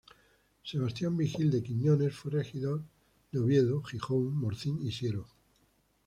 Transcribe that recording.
Sebastián Vigil de Quiñones fue regidor de Oviedo, Gijón, Morcín y Siero.